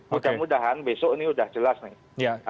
mudah mudahan besok ini sudah jelas nih